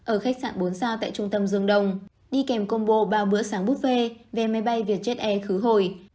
ở khách sạn bốn sao tại trung tâm dương đồng đi kèm combo bao bữa sáng buffet về máy bay việt jet air khứ hồi